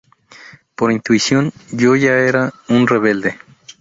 Por intuición, yo ya era un rebelde.